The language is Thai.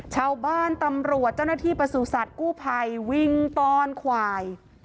ชาวบ้านตำรวจเจ้าหน้าที่ประสุทธิ์กู้ภัยวิ่งต้อนควาย